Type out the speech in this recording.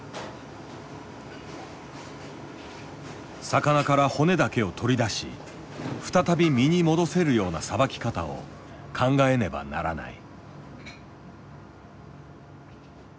魚から骨だけを取り出し再び身に戻せるようなさばき方を考えねばならない。